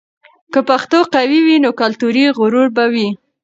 که پښتو قوي وي، نو کلتوري غرور به وي.